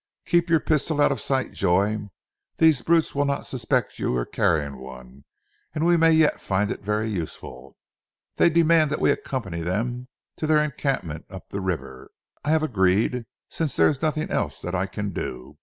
"Keep your pistol out of sight, Joy. These brutes will not suspect you are carrying one, and we may yet find it very useful. They demand that we accompany them to their encampment up the river. I have agreed, since there is nothing else that I can do.